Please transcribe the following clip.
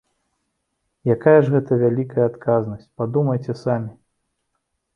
Якая ж гэта вялікая адказнасць, падумайце самі!